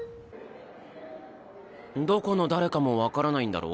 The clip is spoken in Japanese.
どこの誰かも分からないんだろ？